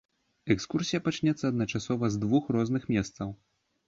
Экскурсія пачнецца адначасова з двух розных месцаў.